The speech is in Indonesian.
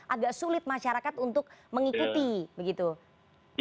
agak sulit masyarakat untuk mengikuti begitu